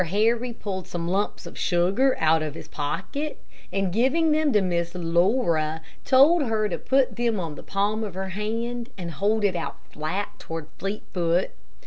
Harry pulled some lumps of sugar out of his pocket, and giving them to Miss Laura, told her to put them on the palm of her hand and hold it out flat toward Fleetfoot.